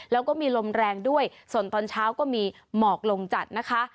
แล้วก็มีลมแรงด้วยส่วนตอนเช้าก็มีหมอกลงจัดนะคะ